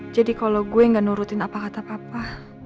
jadi kalau gue gak nurutin apa kata papa